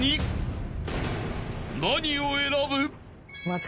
［何を選ぶ？］